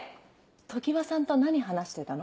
常葉さんと何話してたの？